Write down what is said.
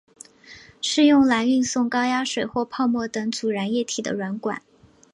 是用来运送高压水或泡沫等阻燃液体的软管。